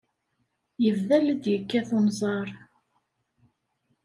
Yebda la d-yekkat unẓar.